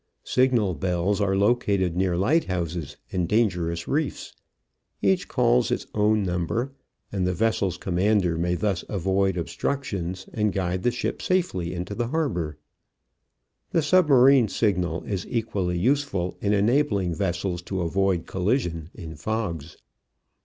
Signal bells are located near lighthouses and dangerous reefs. Each calls its own number, and the vessel's commander may thus avoid obstructions and guide the ship safely into the harbor. The submarine signal is equally useful in enabling vessels to avoid collision in fogs.